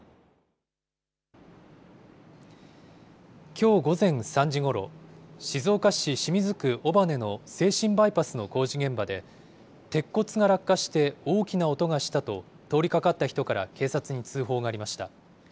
きょう午前３時ごろ、静岡市清水区尾羽の静清バイパスの工事現場で、鉄骨が落下して大きな音がしたと、通りかかった人から警察に通報がありました。